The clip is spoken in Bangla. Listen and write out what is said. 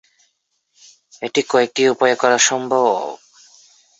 এটি কয়েকটি উপায়ে করা সম্ভব।